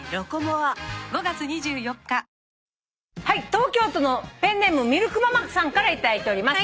東京都のペンネームミルクママさんから頂いております。